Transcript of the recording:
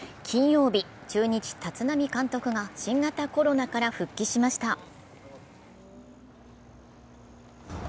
金曜日、中日・立浪監督が新型コロナから復帰しました。